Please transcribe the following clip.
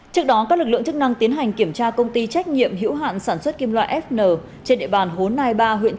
trước đó các lực lượng chức năng tiến hành kiểm tra công ty trách nhiệm hữu hạn sản xuất kim loại fn trên địa bàn hố nai ba huyện